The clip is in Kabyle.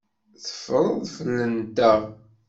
Teffreḍ fell-anteɣ.